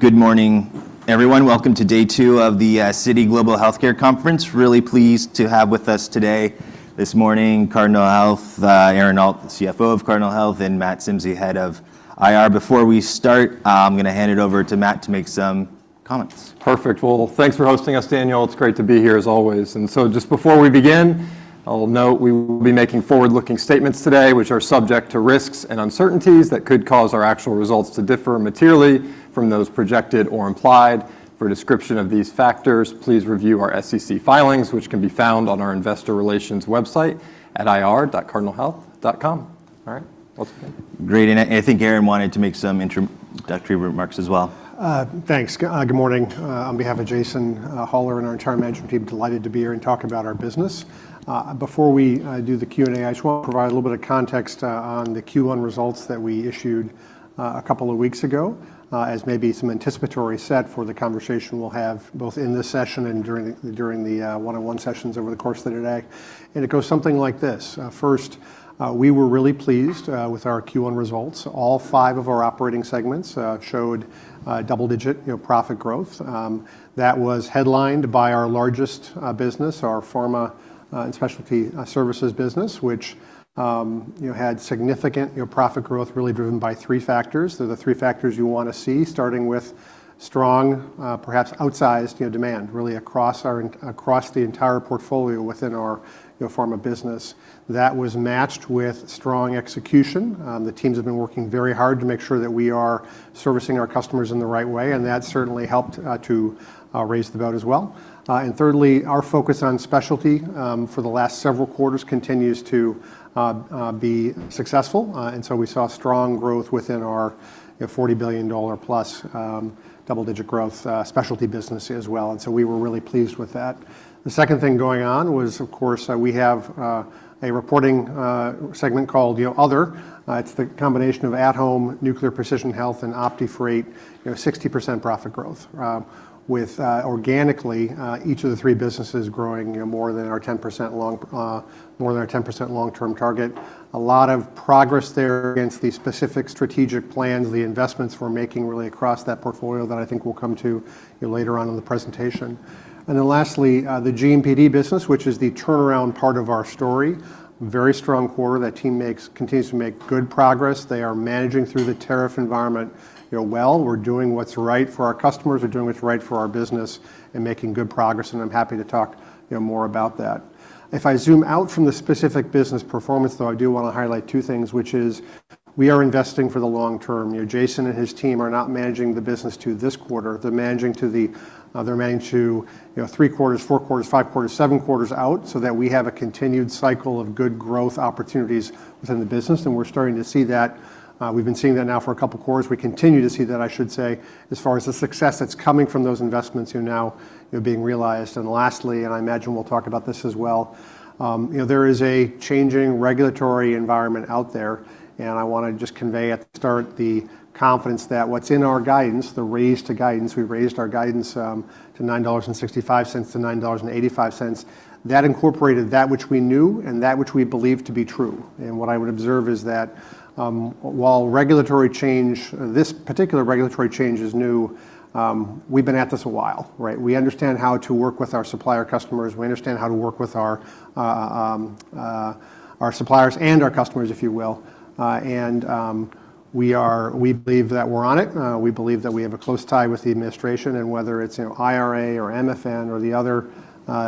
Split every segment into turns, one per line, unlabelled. Good morning, everyone. Welcome to Day 2 of the Citi Global Healthcare Conference. Really pleased to have with us today, this morning, Cardinal Health, Aaron Alt, CFO of Cardinal Health, and Matt Sims, Head of IR. Before we start, I'm going to hand it over to Matt to make some comments.
Perfect. Well, thanks for hosting us, Daniel. It's great to be here, as always, and so just before we begin, I'll note we will be making forward-looking statements today, which are subject to risks and uncertainties that could cause our actual results to differ materially from those projected or implied. For a description of these factors, please review our SEC filings, which can be found on our investor relations website at irc.cardinalhealth.com. All right, let's begin.
Great. And I think Aaron wanted to make some introductory remarks as well.
Thanks. Good morning. On behalf of Jason Hollar and our entire management team, delighted to be here and talk about our business. Before we do the Q&A, I just want to provide a little bit of context on the Q1 results that we issued a couple of weeks ago, as maybe some anticipatory set for the conversation we'll have both in this session and during the one-on-one sessions over the course of the day, and it goes something like this: First, we were really pleased with our Q1 results. All five of our operating segments showed double-digit profit growth. That was headlined by our largest business, our pharma and specialty services business, which had significant profit growth really driven by three factors. They're the three factors you want to see, starting with strong, perhaps outsized demand, really, across the entire portfolio within our pharma business. That was matched with strong execution. The teams have been working very hard to make sure that we are servicing our customers in the right way. And that certainly helped to raise the boat as well. And thirdly, our focus on specialty for the last several quarters continues to be successful. And so we saw strong growth within our $40 billion-plus double-digit growth specialty business as well. And so we were really pleased with that. The second thing going on was, of course, we have a reporting segment called Other. It's the combination of at-home nuclear precision health and OptiFreight, 60% profit growth, with organically each of the three businesses growing more than our 10% long-term target. A lot of progress there against the specific strategic plans, the investments we're making really across that portfolio that I think we'll come to later on in the presentation. And then lastly, the GMPD business, which is the turnaround part of our story. Very strong quarter. That team continues to make good progress. They are managing through the tariff environment well. We're doing what's right for our customers. We're doing what's right for our business and making good progress. And I'm happy to talk more about that. If I zoom out from the specific business performance, though, I do want to highlight two things, which is we are investing for the long term. Jason and his team are not managing the business to this quarter. They're managing to three quarters, four quarters, five quarters, seven quarters out so that we have a continued cycle of good growth opportunities within the business. And we're starting to see that. We've been seeing that now for a couple of quarters. We continue to see that, I should say, as far as the success that's coming from those investments now being realized. And lastly, and I imagine we'll talk about this as well, there is a changing regulatory environment out there. And I want to just convey at the start the confidence that what's in our guidance, the raise to guidance, we raised our guidance to $9.65-$9.85. That incorporated that which we knew and that which we believed to be true. And what I would observe is that while regulatory change, this particular regulatory change is new, we've been at this a while. We understand how to work with our supplier customers. We understand how to work with our suppliers and our customers, if you will. And we believe that we're on it. We believe that we have a close tie with the administration. Whether it's IRA or MFN or the other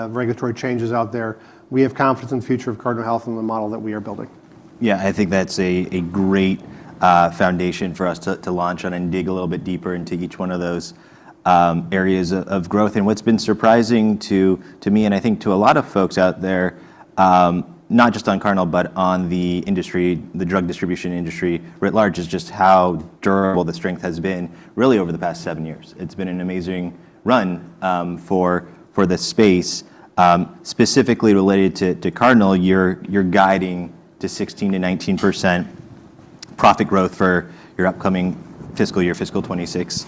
regulatory changes out there, we have confidence in the future of Cardinal Health and the model that we are building.
Yeah, I think that's a great foundation for us to launch on and dig a little bit deeper into each one of those areas of growth. And what's been surprising to me, and I think to a lot of folks out there, not just on Cardinal, but on the industry, the drug distribution industry writ large, is just how durable the strength has been really over the past seven years. It's been an amazing run for the space. Specifically related to Cardinal, you're guiding to 16%-19% profit growth for your upcoming fiscal year, fiscal '26.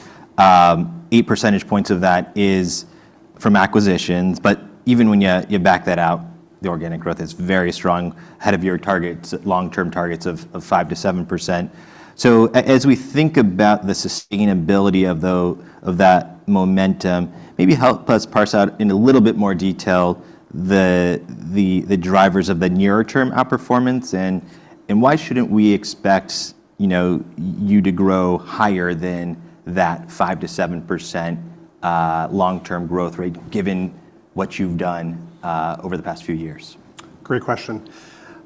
Eight percentage points of that is from acquisitions. But even when you back that out, the organic growth is very strong ahead of your targets, long-term targets of 5%-7%. So as we think about the sustainability of that momentum, maybe help us parse out in a little bit more detail the drivers of the nearer-term outperformance. And why shouldn't we expect you to grow higher than that 5%-7% long-term growth rate, given what you've done over the past few years?
Great question.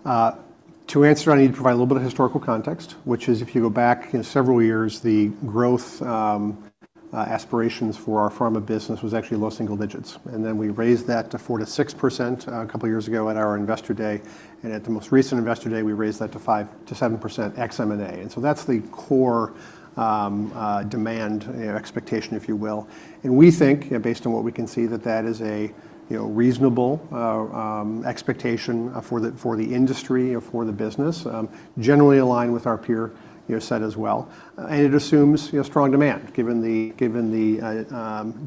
To answer that, I need to provide a little bit of historical context, which is if you go back several years, the growth aspirations for our pharma business was actually low single digits. And then we raised that to 4%-6% a couple of years ago at our investor day. And at the most recent investor day, we raised that to 5%-7% ex-M&A. And so that's the core demand expectation, if you will. And we think, based on what we can see, that that is a reasonable expectation for the industry or for the business, generally aligned with our peer set as well. And it assumes strong demand, given the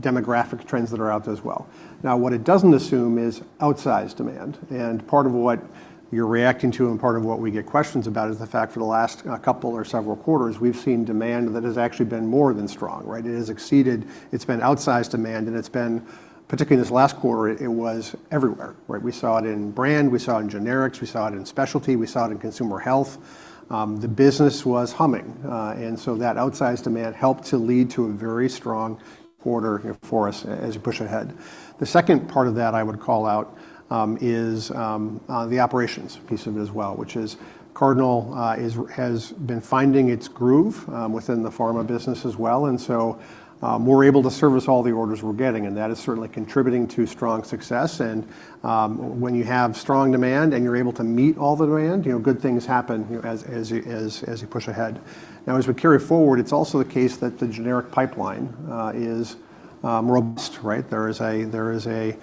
demographic trends that are out there as well. Now, what it doesn't assume is outsized demand. Part of what you're reacting to and part of what we get questions about is the fact for the last couple or several quarters, we've seen demand that has actually been more than strong. It has exceeded, it's been outsized demand. And it's been, particularly this last quarter, it was everywhere. We saw it in brand, we saw it in generics, we saw it in specialty, we saw it in consumer health. The business was humming. And so that outsized demand helped to lead to a very strong quarter for us as we push ahead. The second part of that I would call out is the operations piece of it as well, which is Cardinal has been finding its groove within the pharma business as well. And so we're able to service all the orders we're getting. And that is certainly contributing to strong success. And when you have strong demand and you're able to meet all the demand, good things happen as you push ahead. Now, as we carry forward, it's also the case that the generic pipeline is robust. There is a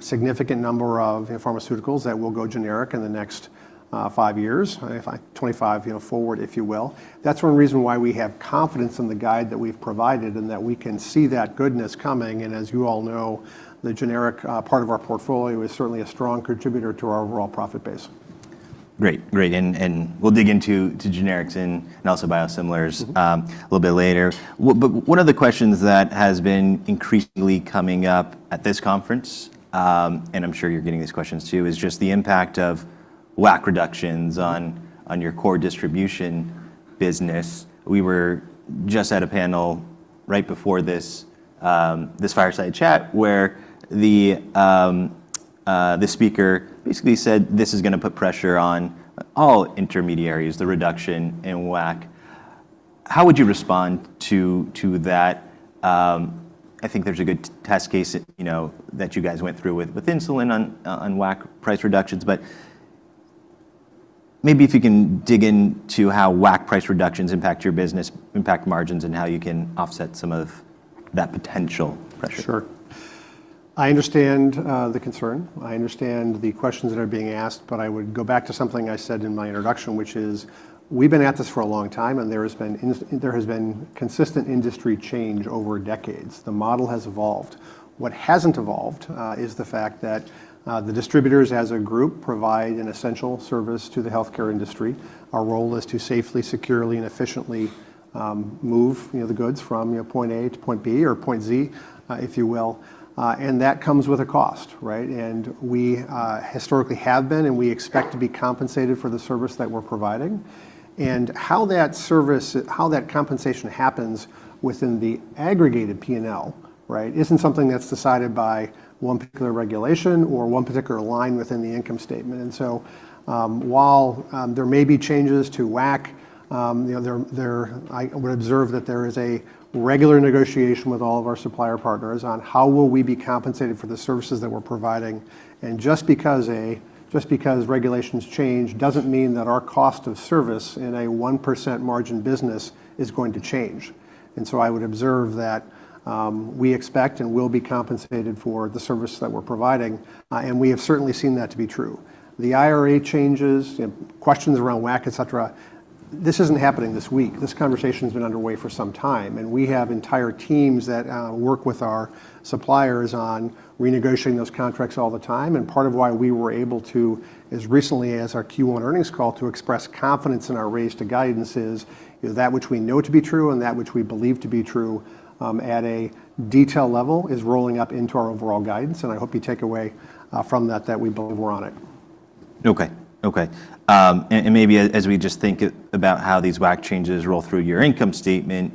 significant number of pharmaceuticals that will go generic in the next five years, '25 forward, if you will. That's one reason why we have confidence in the guide that we've provided and that we can see that goodness coming. And as you all know, the generic part of our portfolio is certainly a strong contributor to our overall profit base.
Great. And we'll dig into generics and also biosimilars a little bit later. But one of the questions that has been increasingly coming up at this conference, and I'm sure you're getting these questions too, is just the impact of WAC reductions on your core distribution business. We were just at a panel right before this fireside chat where the speaker basically said, this is going to put pressure on all intermediaries, the reduction in WAC. How would you respond to that? I think there's a good test case that you guys went through with insulin on WAC price reductions. But maybe if you can dig into how WAC price reductions impact your business, impact margins, and how you can offset some of that potential pressure.
Sure. I understand the concern. I understand the questions that are being asked. But I would go back to something I said in my introduction, which is we've been at this for a long time. And there has been consistent industry change over decades. The model has evolved. What hasn't evolved is the fact that the distributors as a group provide an essential service to the healthcare industry. Our role is to safely, securely, and efficiently move the goods from point A to point B or point Z, if you will. And that comes with a cost. And we historically have been, and we expect to be compensated for the service that we're providing. And how that compensation happens within the aggregated P&L isn't something that's decided by one particular regulation or one particular line within the income statement. And so whi`le there may be changes to WAC, I would observe that there is a regular negotiation with all of our supplier partners on how will we be compensated for the services that we're providing. And just because regulations change doesn't mean that our cost of service in a 1% margin business is going to change. And so I would observe that we expect and will be compensated for the service that we're providing. And we have certainly seen that to be true. The IRA changes, questions around WAC, et cetera, this isn't happening this week. This conversation has been underway for some time. And we have entire teams that work with our suppliers on renegotiating those contracts all the time. Part of why we were able to, as recently as our Q1 earnings call, to express confidence in our raise to guidance is that which we know to be true and that which we believe to be true at a detail level is rolling up into our overall guidance. I hope you take away from that that we believe we're on it.
Okay. And maybe as we just think about how these WAC changes roll through your income statement,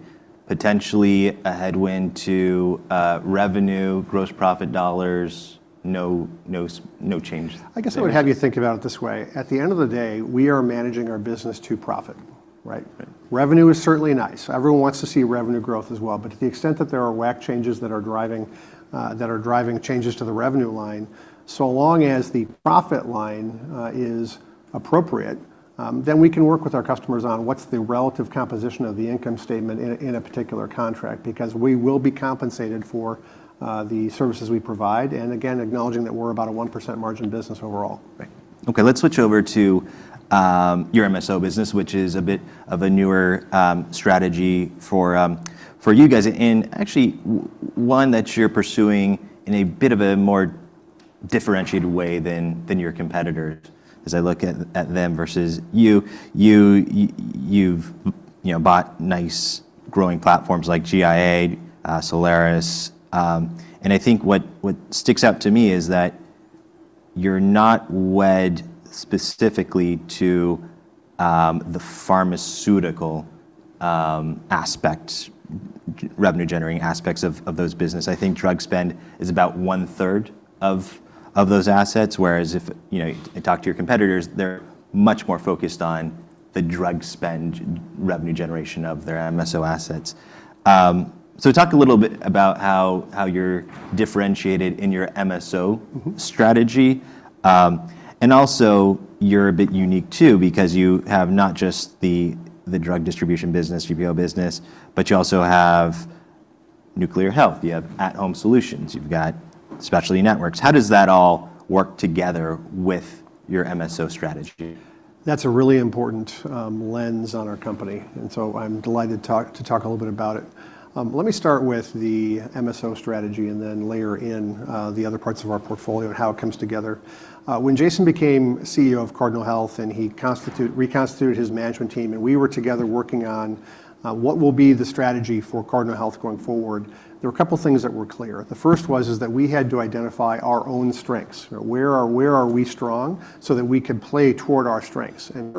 potentially a headwind to revenue, gross profit dollars, no change.
I guess I would have you think about it this way. At the end of the day, we are managing our business to profit. Revenue is certainly nice. Everyone wants to see revenue growth as well. But to the extent that there are WAC changes that are driving changes to the revenue line, so long as the profit line is appropriate, then we can work with our customers on what's the relative composition of the income statement in a particular contract, because we will be compensated for the services we provide, and again, acknowledging that we're about a 1% margin business overall.
Okay. Let's switch over to your MSO business, which is a bit of a newer strategy for you guys. And actually, one that you're pursuing in a bit of a more differentiated way than your competitors, as I look at them versus you. You've bought nice growing platforms like GIA, Solaris. And I think what sticks out to me is that you're not wed specifically to the pharmaceutical aspects, revenue-generating aspects of those business. I think drug spend is about one-third of those assets, whereas if I talk to your competitors, they're much more focused on the drug spend revenue generation of their MSO assets. So talk a little bit about how you're differentiated in your MSO strategy. And also, you're a bit unique too, because you have not just the drug distribution business, GPO business, but you also have nuclear health. You have At Home Solutions. You've got Specialty Networks. How does that all work together with your MSO strategy?
That's a really important lens on our company, and so I'm delighted to talk a little bit about it. Let me start with the MSO strategy and then layer in the other parts of our portfolio and how it comes together. When Jason became CEO of Cardinal Health and he reconstituted his management team and we were together working on what will be the strategy for Cardinal Health going forward, there were a couple of things that were clear. The first was that we had to identify our own strengths. Where are we strong so that we could play toward our strengths? And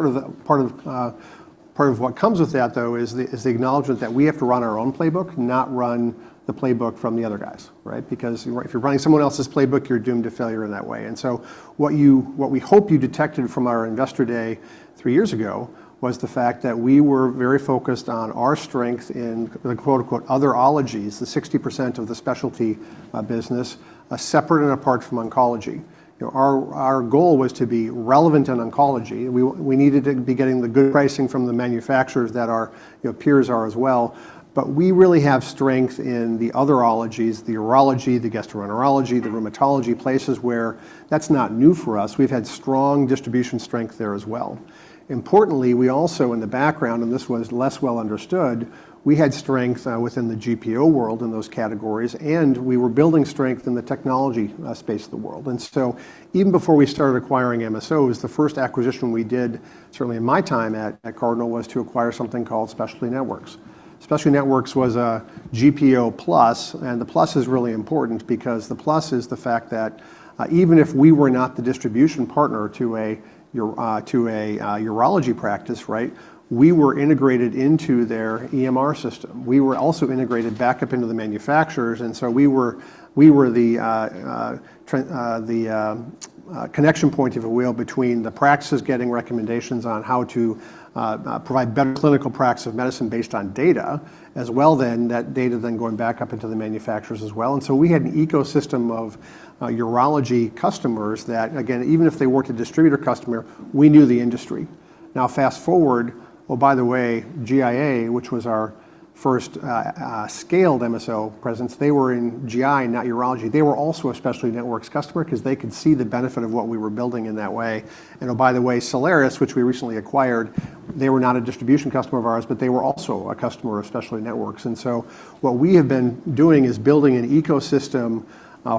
part of what comes with that, though, is the acknowledgment that we have to run our own playbook, not run the playbook from the other guys. Because if you're running someone else's playbook, you're doomed to failure in that way. And so what we hope you detected from our investor day three years ago was the fact that we were very focused on our strength in the "other ologies", the 60% of the specialty business, separate and apart from oncology. Our goal was to be relevant in oncology. We needed to be getting the good pricing from the manufacturers that our peers are as well. But we really have strength in the other ologies, the urology, the gastroenterology, the rheumatology, places where that's not new for us. We've had strong distribution strength there as well. Importantly, we also in the background, and this was less well understood, we had strength within the GPO world in those categories. And we were building strength in the technology space of the world. And so even before we started acquiring MSOs, the first acquisition we did, certainly in my time at Cardinal, was to acquire something called Specialty Networks. Specialty Networks was a GPO plus. And the plus is really important because the plus is the fact that even if we were not the distribution partner to a urology practice, we were integrated into their EMR system. We were also integrated back up into the manufacturers. And so we were the connection point, if you will, between the practices getting recommendations on how to provide better clinical practice of medicine based on data, as well then that data then going back up into the manufacturers as well. And so we had an ecosystem of urology customers that, again, even if they weren't a distributor customer, we knew the industry. Now, fast forward. Well, by the way, GIA, which was our first scaled MSO presence, they were in GI, not urology. They were also a Specialty Networks customer because they could see the benefit of what we were building in that way. By the way, Solaris, which we recently acquired, they were not a distribution customer of ours, but they were also a customer of Specialty Networks. What we have been doing is building an ecosystem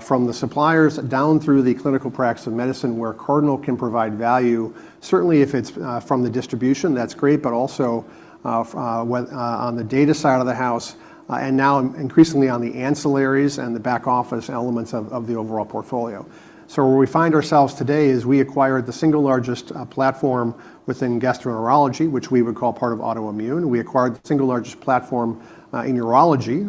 from the suppliers down through the clinical practice of medicine where Cardinal can provide value. Certainly, if it's from the distribution, that's great. But also on the data side of the house, and now increasingly on the ancillaries and the back office elements of the overall portfolio. Where we find ourselves today is we acquired the single largest platform within gastroenterology, which we would call part of autoimmune. We acquired the single largest platform in urology.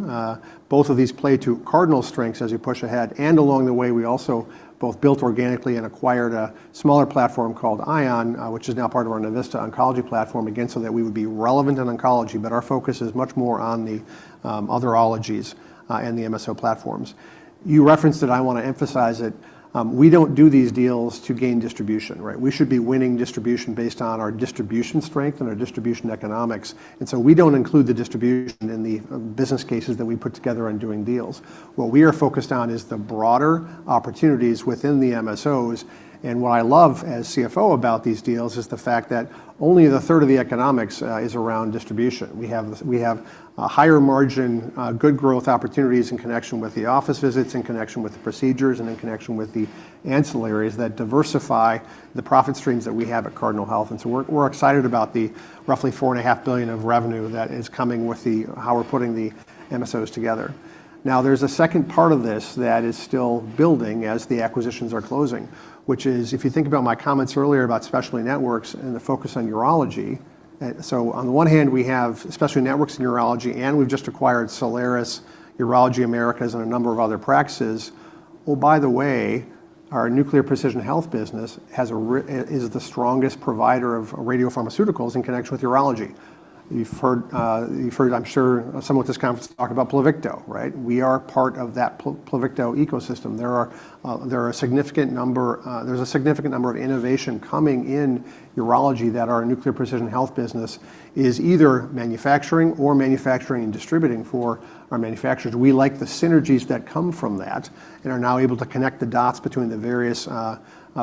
Both of these play to Cardinal's strengths as we push ahead. And along the way, we also both built organically and acquired a smaller platform called ION, which is now part of our Navista Oncology platform, again, so that we would be relevant in oncology. But our focus is much more on the other ologies and the MSO platforms. You referenced it. I want to emphasize it. We don't do these deals to gain distribution. We should be winning distribution based on our distribution strength and our distribution economics. And so we don't include the distribution in the business cases that we put together on doing deals. What we are focused on is the broader opportunities within the MSOs. And what I love as CFO about these deals is the fact that only a third of the economics is around distribution. We have higher margin, good growth opportunities in connection with the office visits, in connection with the procedures, and in connection with the ancillaries that diversify the profit streams that we have at Cardinal Health. And so we're excited about the roughly $4.5 billion of revenue that is coming with how we're putting the MSOs together. Now, there's a second part of this that is still building as the acquisitions are closing, which is if you think about my comments earlier about Specialty Networks and the focus on urology. So on the one hand, we have Specialty Networks in urology, and we've just acquired Solaris, Urology America, and a number of other practices. Well, by the way, our nuclear precision health business is the strongest provider of radiopharmaceuticals in connection with urology. You've heard, I'm sure, some of this conference talk about PLUVICTO. We are part of that PLUVICTO ecosystem. There are a significant number of innovations coming in urology that our nuclear precision health business is either manufacturing or manufacturing and distributing for our manufacturers. We like the synergies that come from that and are now able to connect the dots between the various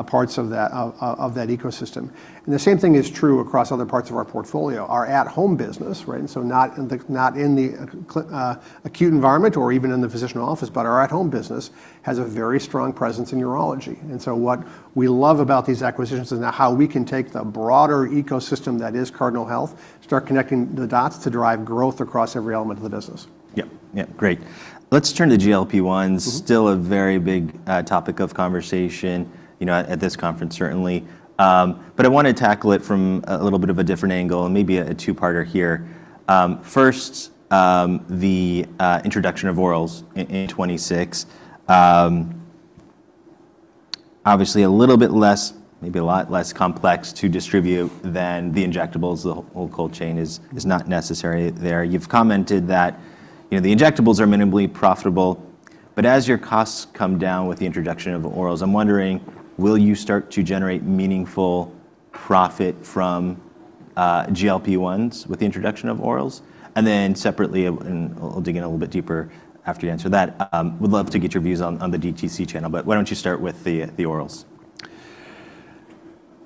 parts of that ecosystem. And the same thing is true across other parts of our portfolio. Our at-home business, so not in the acute environment or even in the physician office, but our at-home business has a very strong presence in urology. And so what we love about these acquisitions is now how we can take the broader ecosystem that is Cardinal Health, start connecting the dots to drive growth across every element of the business.
Yep. Great. Let's turn to GLP-1s. Still a very big topic of conversation at this conference, certainly. But I want to tackle it from a little bit of a different angle and maybe a two-parter here. First, the introduction of orals in '26. Obviously, a little bit less, maybe a lot less complex to distribute than the injectables. The whole cold chain is not necessary there. You've commented that the injectables are minimally profitable. But as your costs come down with the introduction of orals, I'm wondering, will you start to generate meaningful profit from GLP-1s with the introduction of orals? And then separately, and we'll dig in a little bit deeper after you answer that, would love to get your views on the DTC channel. But why don't you start with the orals?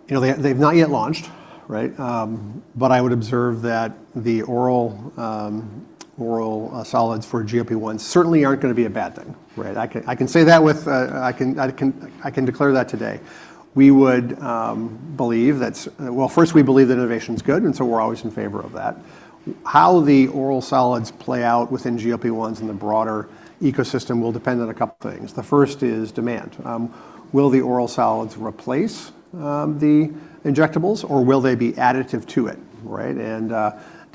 They've not yet launched. But I would observe that the oral solids for GLP-1s certainly aren't going to be a bad thing. I can declare that today. Well, first, we believe that innovation is good. And so we're always in favor of that. How the oral solids play out within GLP-1s in the broader ecosystem will depend on a couple of things. The first is demand. Will the oral solids replace the injectables or will they be additive to it? And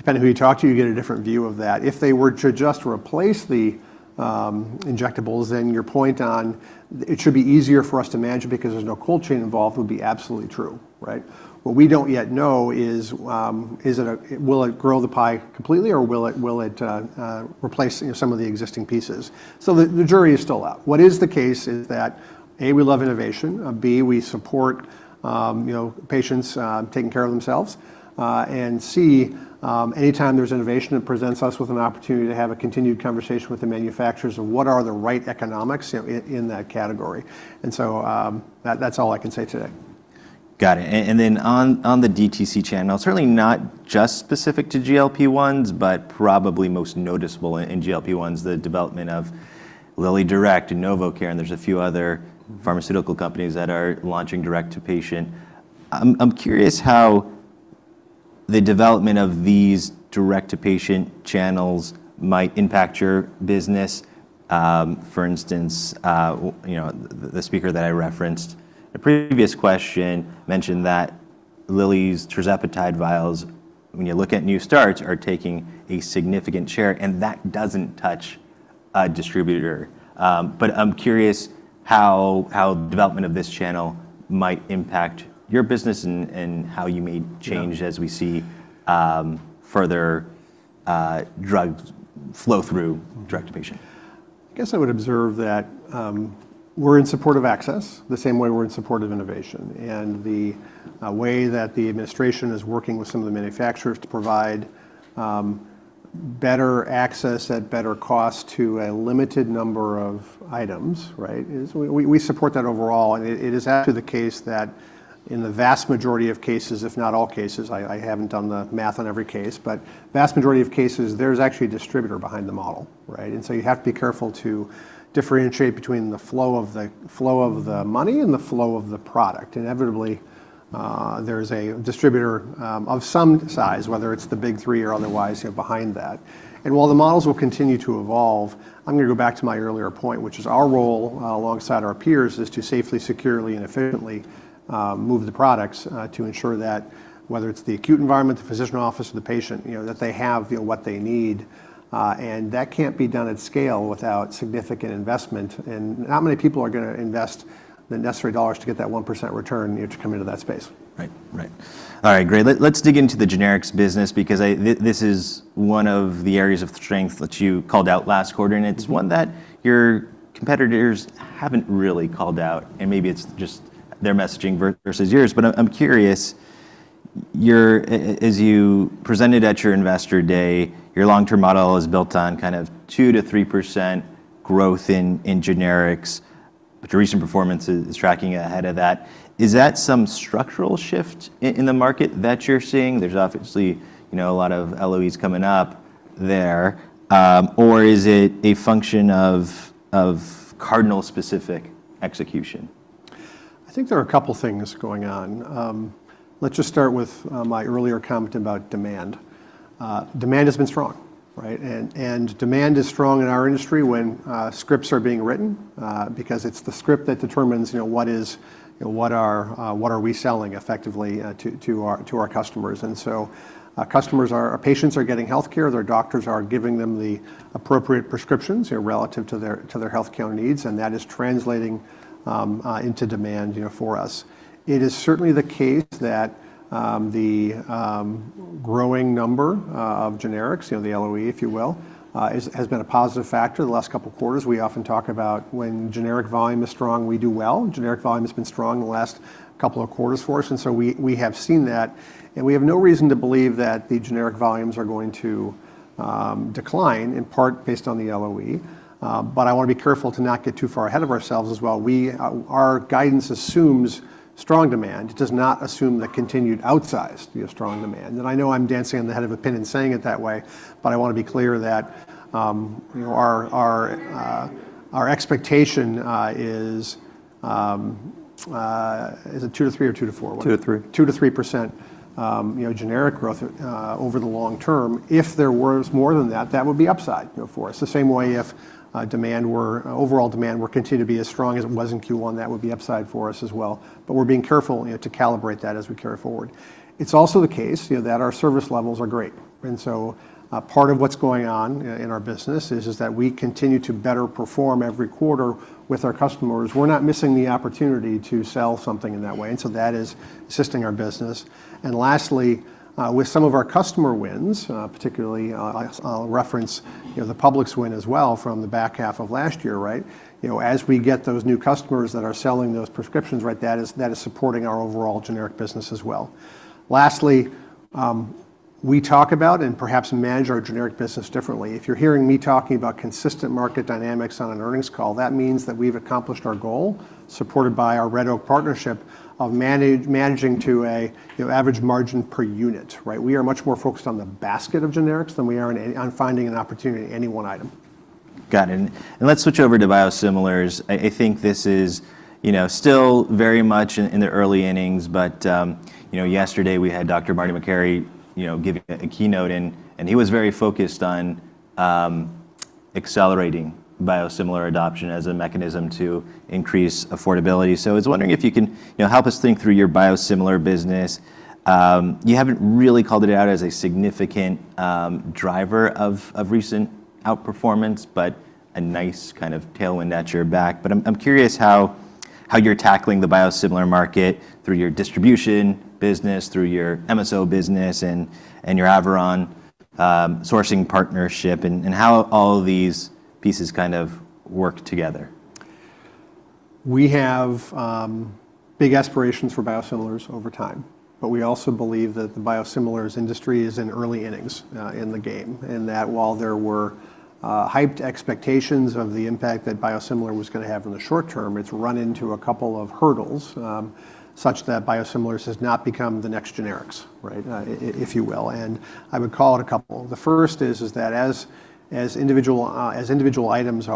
depending on who you talk to, you get a different view of that. If they were to just replace the injectables, then your point on it should be easier for us to manage because there's no cold chain involved, would be absolutely true. What we don't yet know is will it grow the pie completely or will it replace some of the existing pieces? So the jury is still out. What is the case is that, A, we love innovation. B, we support patients taking care of themselves. And C, anytime there's innovation, it presents us with an opportunity to have a continued conversation with the manufacturers of what are the right economics in that category. And so that's all I can say today.
Got it, and then on the DTC channel, certainly not just specific to GLP-1s, but probably most noticeable in GLP-1s, the development of LillyDirect and NovoCare, and there's a few other pharmaceutical companies that are launching direct to patient. I'm curious how the development of these direct to patient channels might impact your business. For instance, the speaker that I referenced in a previous question mentioned that Lilly's tirzepatide vials, when you look at new starts, are taking a significant share, and that doesn't touch a distributor, but I'm curious how the development of this channel might impact your business and how you may change as we see further drugs flow through direct to patient.
I guess I would observe that we're in support of access the same way we're in support of innovation. And the way that the administration is working with some of the manufacturers to provide better access at better cost to a limited number of items is we support that overall. And it is actually the case that in the vast majority of cases, if not all cases, I haven't done the math on every case, but vast majority of cases, there's actually a distributor behind the model. And so you have to be careful to differentiate between the flow of the money and the flow of the product. Inevitably, there is a distributor of some size, whether it's the big three or otherwise, behind that. While the models will continue to evolve, I'm going to go back to my earlier point, which is our role alongside our peers is to safely, securely, and efficiently move the products to ensure that whether it's the acute environment, the physician office, or the patient, that they have what they need. That can't be done at scale without significant investment. Not many people are going to invest the necessary dollars to get that 1% return to come into that space.
Right. All right. Great. Let's dig into the generics business because this is one of the areas of strength that you called out last quarter. And it's one that your competitors haven't really called out. And maybe it's just their messaging versus yours. But I'm curious, as you presented at your investor day, your long-term model is built on kind of 2%-3% growth in generics, but your recent performance is tracking ahead of that. Is that some structural shift in the market that you're seeing? There's obviously a lot of LOEs coming up there. Or is it a function of Cardinal-specific execution?
I think there are a couple of things going on. Let's just start with my earlier comment about demand. Demand has been strong, and demand is strong in our industry when scripts are being written because it's the script that determines what are we selling effectively to our customers, and so customers are patients getting health care. Their doctors are giving them the appropriate prescriptions relative to their health care needs, and that is translating into demand for us. It is certainly the case that the growing number of generics, the LOE, if you will, has been a positive factor the last couple of quarters. We often talk about when generic volume is strong, we do well. Generic volume has been strong in the last couple of quarters for us, and so we have seen that. We have no reason to believe that the generic volumes are going to decline in part based on the LOE. But I want to be careful to not get too far ahead of ourselves as well. Our guidance assumes strong demand. It does not assume the continued outsized strong demand. And I know I'm dancing on the head of a pin and saying it that way. But I want to be clear that our expectation is a 2%-3% or 2%-4%. 2%-3% generic growth over the long term. If there was more than that, that would be upside for us. The same way if overall demand were continued to be as strong as it was in Q1, that would be upside for us as well. But we're being careful to calibrate that as we carry forward. It's also the case that our service levels are great. And so part of what's going on in our business is that we continue to better perform every quarter with our customers. We're not missing the opportunity to sell something in that way. And so that is assisting our business. And lastly, with some of our customer wins, particularly I'll reference the Publix's win as well from the back half of last year. As we get those new customers that are selling those prescriptions, that is supporting our overall generic business as well. Lastly, we talk about and perhaps manage our generic business differently. If you're hearing me talking about consistent market dynamics on an earnings call, that means that we've accomplished our goal supported by our Red Oak partnership of managing to an average margin per unit. We are much more focused on the basket of generics than we are on finding an opportunity in any one item.
Got it. And let's switch over to biosimilars. I think this is still very much in the early innings. But yesterday, we had Dr. Marty Makary giving a keynote. And he was very focused on accelerating biosimilar adoption as a mechanism to increase affordability. So I was wondering if you can help us think through your biosimilar business. You haven't really called it out as a significant driver of recent outperformance, but a nice kind of tailwind at your back. But I'm curious how you're tackling the biosimilar market through your distribution business, through your MSO business, and your Red Oak Sourcing partnership, and how all of these pieces kind of work together.
We have big aspirations for biosimilars over time, but we also believe that the biosimilars industry is in early innings in the game, and that while there were hyped expectations of the impact that biosimilar was going to have in the short term, it's run into a couple of hurdles such that biosimilars has not become the next generics, if you will, and I would call it a couple. The first is that as individual items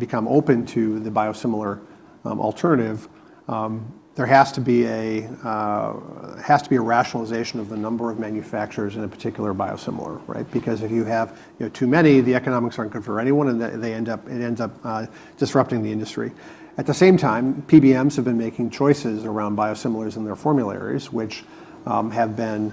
become open to the biosimilar alternative, there has to be a rationalization of the number of manufacturers in a particular biosimilar. Because if you have too many, the economics aren't good for anyone, and it ends up disrupting the industry. At the same time, PBMs have been making choices around biosimilars in their formularies, which have been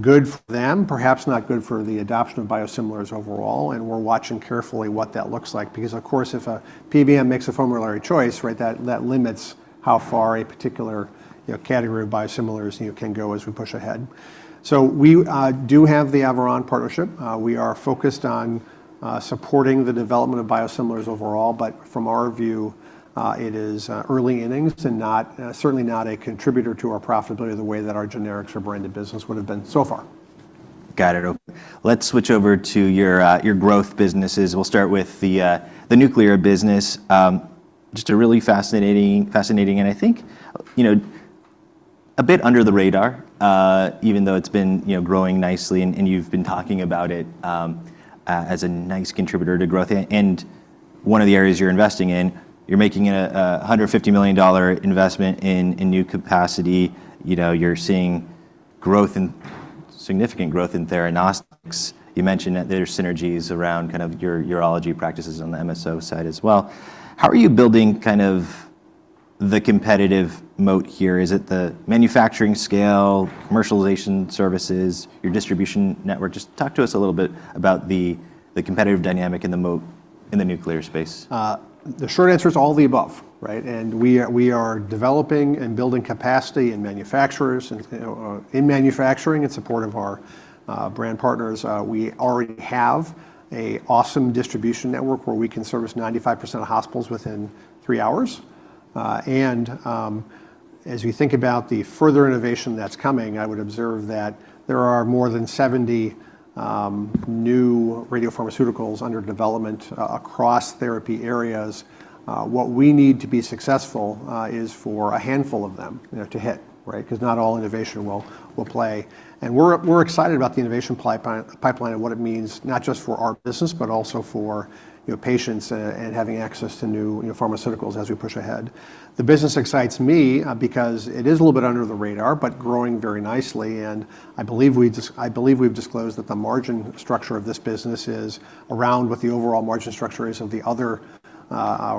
good for them, perhaps not good for the adoption of biosimilars overall. And we're watching carefully what that looks like. Because, of course, if a PBM makes a formulary choice, that limits how far a particular category of biosimilars can go as we push ahead. So we do have the Averon partnership. We are focused on supporting the development of biosimilars overall. But from our view, it is early innings and certainly not a contributor to our profitability the way that our generics or branded business would have been so far.
Got it. Let's switch over to your growth businesses. We'll start with the nuclear business. Just a really fascinating, and I think a bit under the radar, even though it's been growing nicely. And you've been talking about it as a nice contributor to growth. And one of the areas you're investing in, you're making a $150 million investment in new capacity. You're seeing significant growth in theranostics. You mentioned that there's synergies around kind of your urology practices on the MSO side as well. How are you building kind of the competitive moat here? Is it the manufacturing scale, commercialization services, your distribution network? Just talk to us a little bit about the competitive dynamic in the moat in the nuclear space.
The short answer is all the above. And we are developing and building capacity in manufacturing in support of our brand partners. We already have an awesome distribution network where we can service 95% of hospitals within three hours. And as we think about the further innovation that's coming, I would observe that there are more than 70 new radiopharmaceuticals under development across therapy areas. What we need to be successful is for a handful of them to hit because not all innovation will play. And we're excited about the innovation pipeline and what it means not just for our business, but also for patients and having access to new pharmaceuticals as we push ahead. The business excites me because it is a little bit under the radar, but growing very nicely. And I believe we've disclosed that the margin structure of this business is around what the overall margin structure is of the other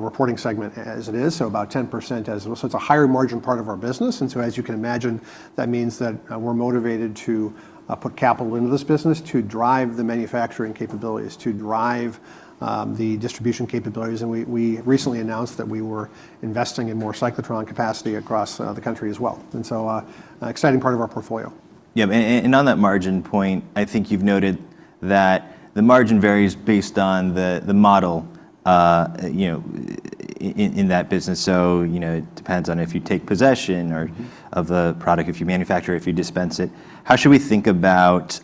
reporting segment as it is. So about 10% as it's a higher margin part of our business. And so as you can imagine, that means that we're motivated to put capital into this business to drive the manufacturing capabilities, to drive the distribution capabilities. And we recently announced that we were investing in more cyclotron capacity across the country as well. And so an exciting part of our portfolio.
Yeah. And on that margin point, I think you've noted that the margin varies based on the model in that business. So it depends on if you take possession of the product, if you manufacture, if you dispense it. How should we think about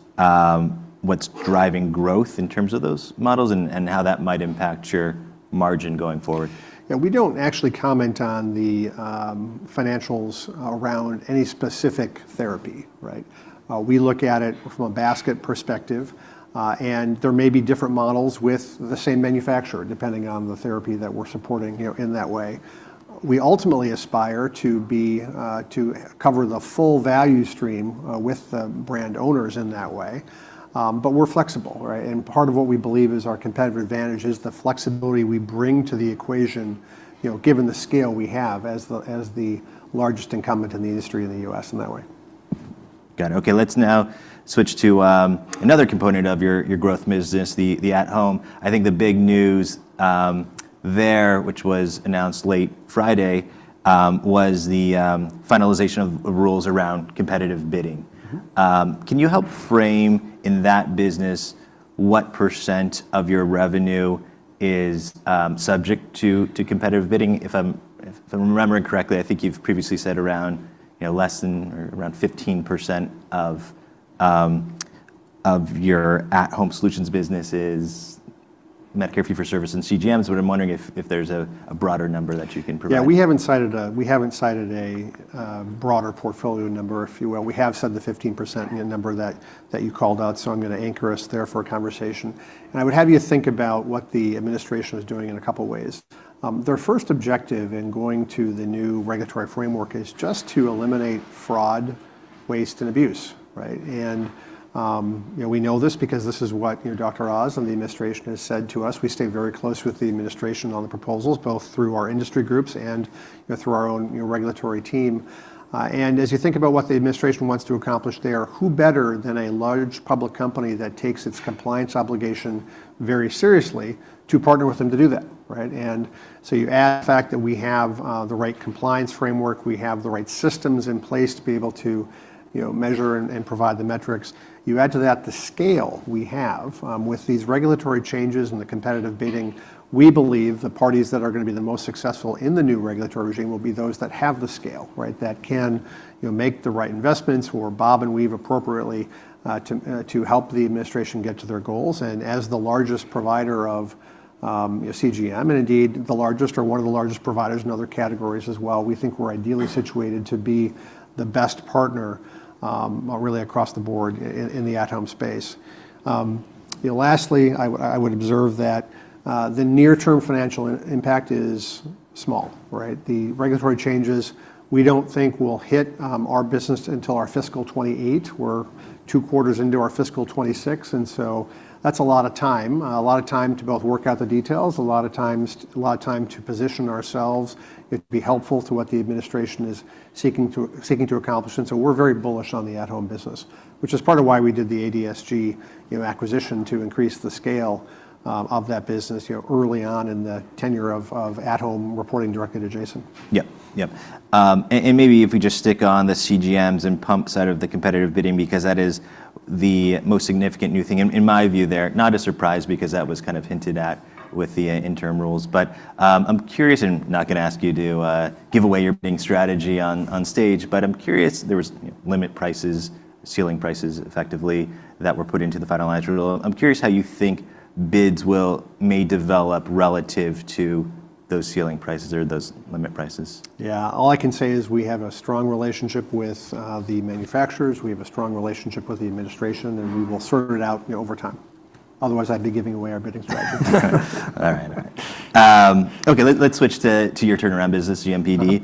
what's driving growth in terms of those models and how that might impact your margin going forward?
Yeah. We don't actually comment on the financials around any specific therapy. We look at it from a basket perspective. And there may be different models with the same manufacturer depending on the therapy that we're supporting in that way. We ultimately aspire to cover the full value stream with the brand owners in that way. But we're flexible. And part of what we believe is our competitive advantage is the flexibility we bring to the equation given the scale we have as the largest incumbent in the industry in the U.S. in that way.
Got it. OK. Let's now switch to another component of your growth business, the at-home. I think the big news there, which was announced late Friday, was the finalization of rules around competitive bidding. Can you help frame in that business what % of your revenue is subject to competitive bidding? If I'm remembering correctly, I think you've previously said around less than or around 15% of your At Home Solutions business is Medicare fee-for-service and CGMs. But I'm wondering if there's a broader number that you can provide.
Yeah. We haven't cited a broader portfolio number, if you will. We have said the 15% number that you called out. So I'm going to anchor us there for a conversation. And I would have you think about what the administration is doing in a couple of ways. Their first objective in going to the new regulatory framework is just to eliminate fraud, waste, and abuse. And we know this because this is what Dr. Oz and the administration has said to us. We stay very close with the administration on the proposals, both through our industry groups and through our own regulatory team. And as you think about what the administration wants to accomplish there, who better than a large public company that takes its compliance obligation very seriously to partner with them to do that? And so you add the fact that we have the right compliance framework. We have the right systems in place to be able to measure and provide the metrics. You add to that the scale we have. With these regulatory changes and the competitive bidding, we believe the parties that are going to be the most successful in the new regulatory regime will be those that have the scale that can make the right investments or bob and weave appropriately to help the administration get to their goals, and as the largest provider of CGM, and indeed the largest or one of the largest providers in other categories as well, we think we're ideally situated to be the best partner really across the board in the at-home space. Lastly, I would observe that the near-term financial impact is small. The regulatory changes we don't think will hit our business until our fiscal '28. We're two quarters into our fiscal '26. And so that's a lot of time, a lot of time to both work out the details, a lot of time to position ourselves. It would be helpful to what the administration is seeking to accomplish. And so we're very bullish on the At-Home business, which is part of why we did the ADSG acquisition to increase the scale of that business early on in the tenure of At Home reporting directly to Jason.
Yep, yep. And maybe if we just stick on the CGMs and pumps out of the competitive bidding because that is the most significant new thing in my view there. Not a surprise because that was kind of hinted at with the interim rules. But I'm curious, and I'm not going to ask you to give away your bidding strategy on stage. But I'm curious, there were limit prices, ceiling prices effectively that were put into the finalized rule. I'm curious how you think bids may develop relative to those ceiling prices or those limit prices.
Yeah. All I can say is we have a strong relationship with the manufacturers. We have a strong relationship with the administration. And we will sort it out over time. Otherwise, I'd be giving away our bidding strategy.
All right, all right. OK. Let's switch to your turnaround business, GMPD.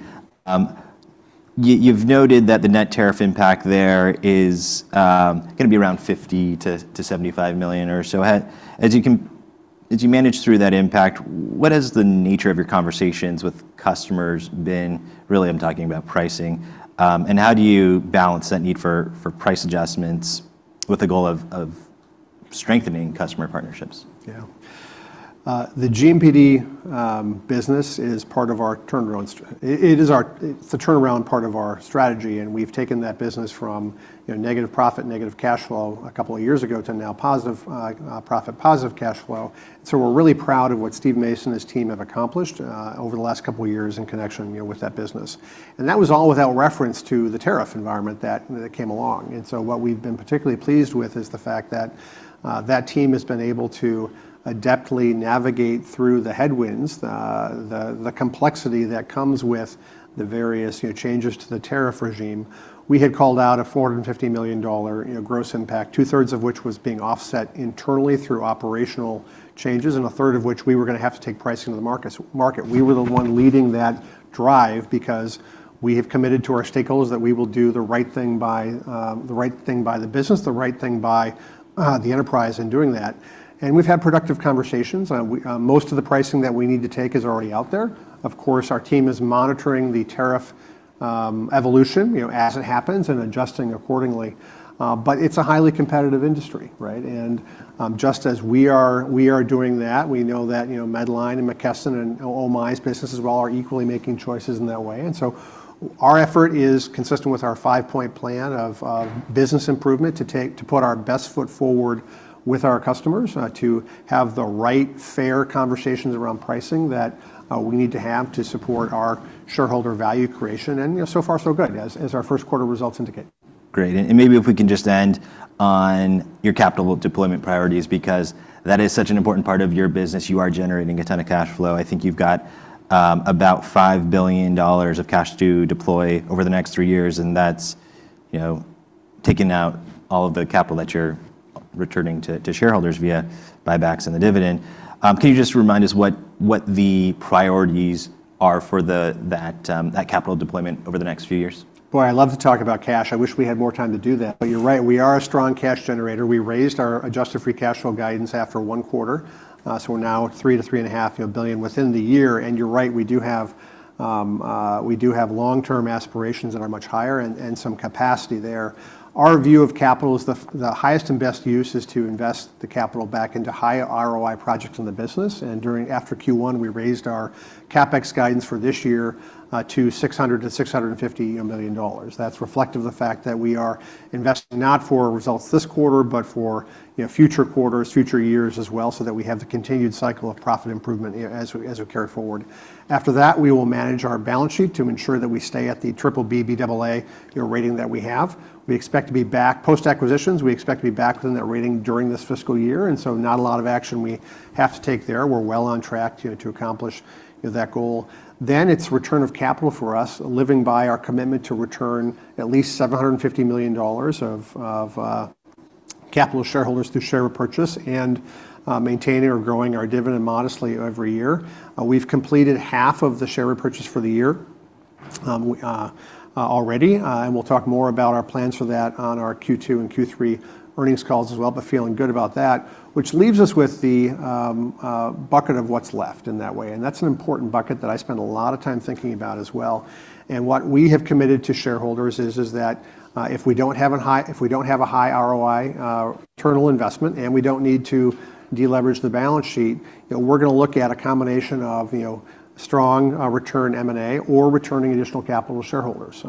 You've noted that the net tariff impact there is going to be around $50 million-$75 million or so. As you manage through that impact, what has the nature of your conversations with customers been? Really, I'm talking about pricing, and how do you balance that need for price adjustments with the goal of strengthening customer partnerships?
Yeah. The GMPD business is part of our turnaround. It is the turnaround part of our strategy. And we've taken that business from negative profit, negative cash flow a couple of years ago to now positive profit, positive cash flow. And so we're really proud of what Steve Mason and his team have accomplished over the last couple of years in connection with that business. And that was all without reference to the tariff environment that came along. And so what we've been particularly pleased with is the fact that that team has been able to adeptly navigate through the headwinds, the complexity that comes with the various changes to the tariff regime. We had called out a $450 million gross impact, two-thirds of which was being offset internally through operational changes, and a third of which we were going to have to take pricing to the market. We were the one leading that drive because we have committed to our stakeholders that we will do the right thing by the business, the right thing by the enterprise in doing that, and we've had productive conversations. Most of the pricing that we need to take is already out there. Of course, our team is monitoring the tariff evolution as it happens and adjusting accordingly, but it's a highly competitive industry, and just as we are doing that, we know that Medline and McKesson and OMI's businesses all are equally making choices in that way, and so our effort is consistent with our five-point plan of business improvement to put our best foot forward with our customers, to have the right fair conversations around pricing that we need to have to support our shareholder value creation, and so far, so good as our first quarter results indicate.
Great, and maybe if we can just end on your capital deployment priorities because that is such an important part of your business. You are generating a ton of cash flow. I think you've got about $5 billion of cash to deploy over the next three years, and that's taken out all of the capital that you're returning to shareholders via buybacks and the dividend. Can you just remind us what the priorities are for that capital deployment over the next few years?
Boy, I love to talk about cash. I wish we had more time to do that. But you're right. We are a strong cash generator. We raised our adjusted free cash flow guidance after one quarter. So we're now at $3 billion-$3.5 billion within the year. And you're right. We do have long-term aspirations that are much higher and some capacity there. Our view of capital is the highest and best use is to invest the capital back into high ROI projects in the business. And after Q1, we raised our CapEx guidance for this year to $600 million-$650 million. That's reflective of the fact that we are investing not for results this quarter, but for future quarters, future years as well, so that we have the continued cycle of profit improvement as we carry forward. After that, we will manage our balance sheet to ensure that we stay at the BBB AA rating that we have. We expect to be back post-acquisitions. We expect to be back within that rating during this fiscal year, and so not a lot of action we have to take there. We're well on track to accomplish that goal. Then it's return of capital for us, living by our commitment to return at least $750 million of capital to shareholders through share repurchase and maintaining or growing our dividend modestly every year. We've completed half of the share repurchase for the year already, and we'll talk more about our plans for that on our Q2 and Q3 earnings calls as well, but feeling good about that, which leaves us with the bucket of what's left in that way. That's an important bucket that I spend a lot of time thinking about as well. What we have committed to shareholders is that if we don't have a high ROI, return on investment, and we don't need to deleverage the balance sheet, we're going to look at a combination of strong return M&A or returning additional capital to shareholders.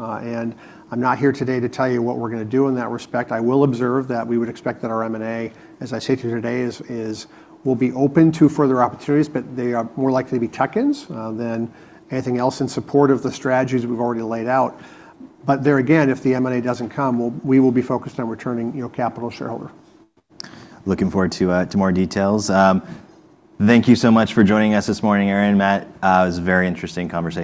I'm not here today to tell you what we're going to do in that respect. I will observe that we would expect that our M&A, as I say to you today, will be open to further opportunities. They are more likely to be tuck-ins than anything else in support of the strategies we've already laid out. There again, if the M&A doesn't come, we will be focused on returning capital to shareholders.
Looking forward to more details. Thank you so much for joining us this morning, Aaron and Matt. It was a very interesting conversation.